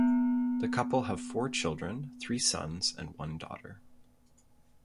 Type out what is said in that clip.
The couple have four children, three sons and one daughter.